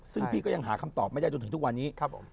ซึ่งพี่ก็ยังหาคำตอบไม่ได้จนถึงทุกวันนี้